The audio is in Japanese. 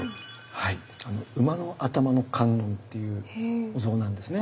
馬の頭の観音というお像なんですね。